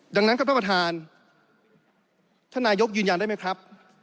ดังนั้นครับท่านประธานท่านนายกยืนยันได้ไหมครับ